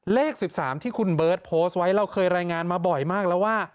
เลข๑๓ที่คุณเบิร์ตโพสต์ไว้เราเคยรายงานมาบ่อยมากแล้วว่า